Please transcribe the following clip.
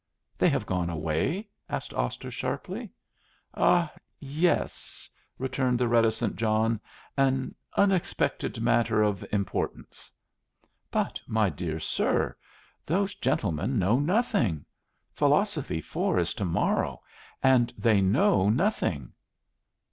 "They have gone away?" asked Oscar, sharply. "Ah yes," returned the reticent John. "An unexpected matter of importance." "But, my dear sir, those gentlemen know nothing! Philosophy 4 is tomorrow, and they know nothing."